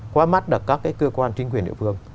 quá mắt được các cái cơ quan chính quyền địa phương